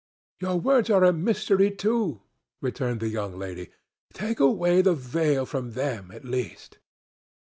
"Your words are a mystery too," returned the young lady. "Take away the veil from them, at least."